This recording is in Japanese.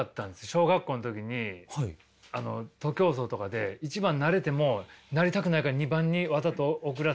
小学校の時に徒競走とかで一番になれてもなりたくないから二番にわざと遅らせて。